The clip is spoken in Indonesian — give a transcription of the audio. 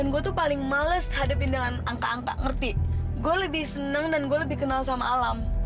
gue lebih seneng dan gue lebih kenal sama alam